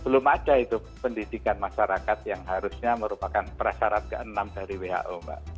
belum ada itu pendidikan masyarakat yang harusnya merupakan syarat keenam dari who mbak